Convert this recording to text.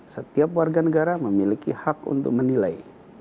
setiap warga negara memiliki hak untuk menilai